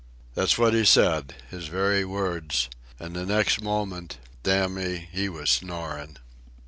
That's what he said, his very words, an' the next moment, damme, he was snorin'."